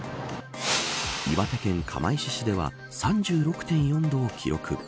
岩手県釜石市では３６．４度を記録。